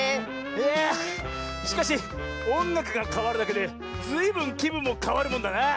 いやしかしおんがくがかわるだけでずいぶんきぶんもかわるもんだなあ。